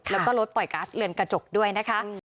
แล้วก็รถปล่อยก๊าซเรือนกระจกด้วยนะคะ